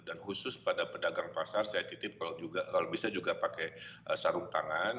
dan khusus pada pedagang pasar saya titip kalau bisa juga pakai sarung tangan